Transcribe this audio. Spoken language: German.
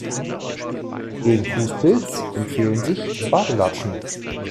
Gegen Fußpilz empfehlen sich Badelatschen.